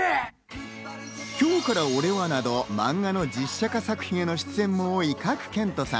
『今日から俺は！！』などマンガの実写化作品への出演も多い賀来賢人さん。